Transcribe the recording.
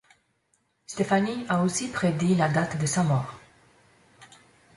Stéphanie a aussi prédit la date de sa mort.